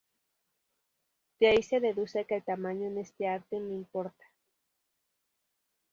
De ahí se deduce que el tamaño en este arte no importa.